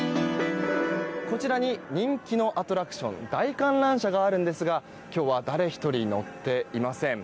こちらに人気のアトラクション大観覧車があるんですが今日は誰一人乗っていません。